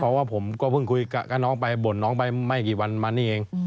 เพราะว่าผมก็เพิ่งคุยกับน้องไปบ่นน้องไปไม่กี่วันมานี่เอง